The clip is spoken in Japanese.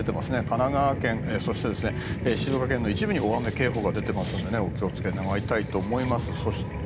神奈川県、そして静岡県の一部に大雨警報が出てますのでお気をつけ願いたいと思います。